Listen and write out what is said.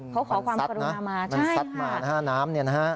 เพราะขอความกรุณามาใช่ค่ะ